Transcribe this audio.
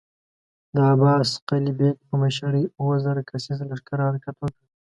د عباس قلي بېګ په مشری اووه زره کسيز لښکر حرکت وکړ.